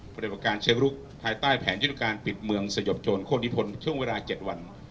บริษัทเชียงลูกภายใต้แผนยุติการปิดเมืองสยบโจรโคติพลช่วงเวลา๗วัน